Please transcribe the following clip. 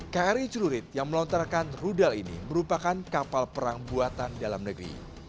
kri celurit yang melontarkan rudal ini merupakan kapal perang buatan dalam negeri